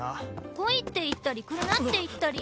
来いって言ったり来るなって言ったり。